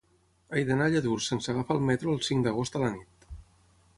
He d'anar a Lladurs sense agafar el metro el cinc d'agost a la nit.